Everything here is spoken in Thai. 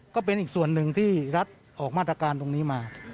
ก็เป็นอีกส่วนหนึ่งที่รัฐออกมาตรการตรงนี้มา